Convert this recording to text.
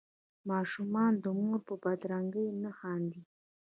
ماشومان د مور په بدرنګۍ نه خاندي.